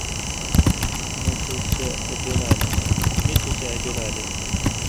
می تو سہ۔ اجولال این۔